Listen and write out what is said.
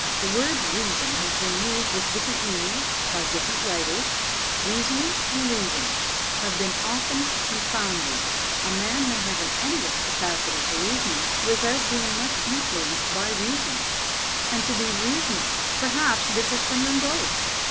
The word reason has been used with different meanings by different writers; reasoning and reason have been often confounded; a man may have an endless capacity for reasoning, without being much influenced by reason, and to be reasonable, perhaps differs from both!